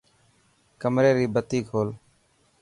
ڪمري ري بتي کول.